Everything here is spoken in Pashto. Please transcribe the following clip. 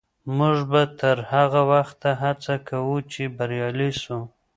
موږ به تر هغه وخته هڅه کوو چې بریالي سو.